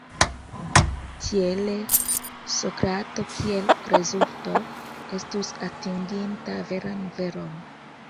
Tiele, Sokrato, kiel rezulto, estus atinginta veran veron.